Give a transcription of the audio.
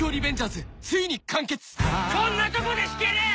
「こんなとこで引けねえ！」